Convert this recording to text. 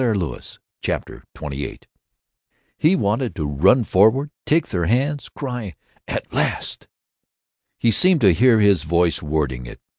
CHAPTER XXVIII e wanted to run forward, take their hands, cry, "At last!" He seemed to hear his voice wording it.